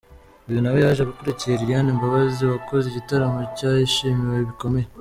Uyu na we yaje akurikiye Lilian Mbabazi wakoze igitaramo cyishimiwe bikomeye.